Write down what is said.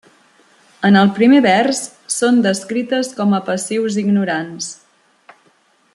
En el primer vers, són descrites com a passius ignorants.